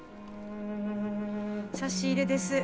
差し入れです。